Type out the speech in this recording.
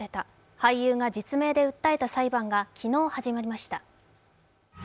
俳優が実名で訴えた裁判が昨日、始まりました。